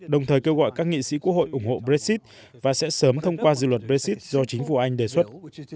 đồng thời kêu gọi các nghị sĩ quốc hội ủng hộ brexit và sẽ sớm thông qua dự luật brexit do chính phủ anh đề xuất